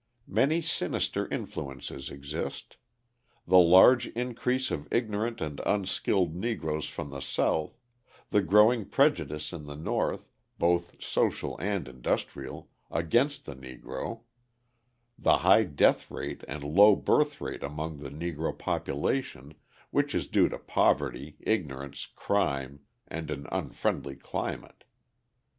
Many sinister influences exist: the large increase of ignorant and unskilled Negroes from the South; the growing prejudice in the North, both social and industrial, against the Negro; the high death rate and low birth rate among the Negro population, which is due to poverty, ignorance, crime, and an unfriendly climate.